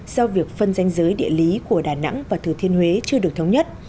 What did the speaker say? do việc phân danh giới địa lý của đà nẵng và thừa thiên huế chưa được thống nhất